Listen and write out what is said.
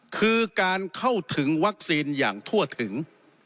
คือการเข้าถึงวัคซีนอย่างทั่วถึง